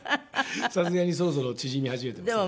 さすがにそろそろ縮み始めてますね。